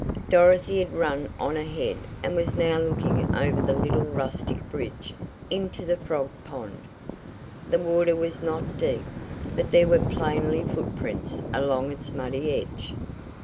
Dorothy had run on ahead and was now looking over the little rustic bridge into the frog pond. The water was not deep, but there were plainly footprints along its muddy edge.